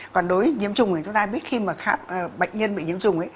còn đối với nhiễm trùng thì chúng ta biết khi mà bệnh nhân bị nhiễm trùng